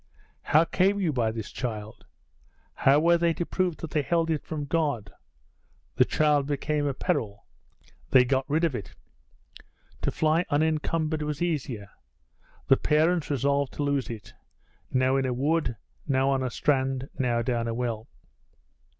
How came you by this child? how were they to prove that they held it from God? The child became a peril they got rid of it. To fly unencumbered was easier; the parents resolved to lose it now in a wood, now on a strand, now down a well.